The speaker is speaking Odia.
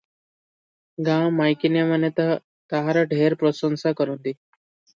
ଗାଁ ମାଇକିନିଆମାନେ ତାହାର ଢେର ପ୍ରଶଂସା କରନ୍ତି ।